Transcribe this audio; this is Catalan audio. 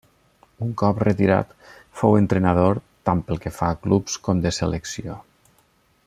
Un cop retirat fou entrenador, tant pel que fa a clubs, com de selecció.